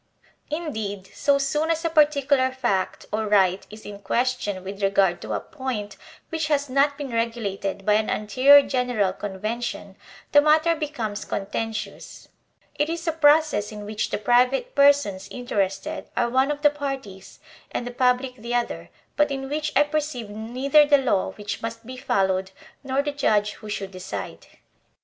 Indeed, so soon as a particular fact or right is in question with regard to a point which has not been regulated by an anterior general convention, the matter becomes contentious; it is a process in which the private persons interested are one of the parties and the public the other, but in which I perceive neither the law which must be followed, nor the judge who should decide.